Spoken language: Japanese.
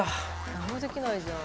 何もできないじゃん。